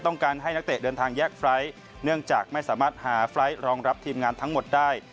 เนื่องจากไม่สามารถหาไฟล์สรองรับทีมงานทั้งหมดได้